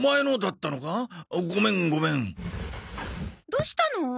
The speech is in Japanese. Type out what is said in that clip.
どうしたの？